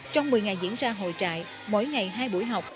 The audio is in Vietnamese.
trong một mươi ngày diễn ra hội trại mỗi ngày hai buổi học